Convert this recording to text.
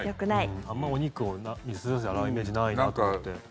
あまりお肉を水道水で洗うイメージないなと思って。